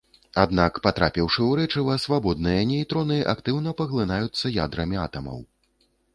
Аднак, патрапіўшы ў рэчыва, свабодныя нейтроны актыўна паглынаюцца ядрамі атамаў.